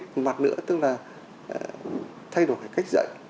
một mặt nữa tức là thay đổi cách dạy